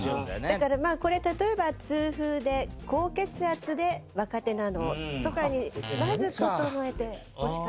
だからこれ例えば「痛風で高血圧で若手なの？」とかにまず整えてほしかったな。